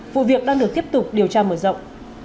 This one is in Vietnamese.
vụ việc đang được tiếp tục điều tra mở rộng